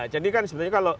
jadi kan sebenarnya kalau